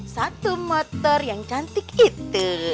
satu motor yang cantik itu